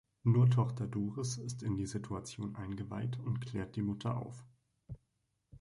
Nur Tochter Doris ist in die Situation eingeweiht und klärt die Mutter auf.